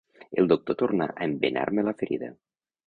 El doctor tornà a embenar-me la ferida